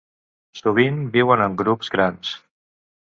Sovint viuen en grups grans.